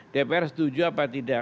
dpr setuju apa tidak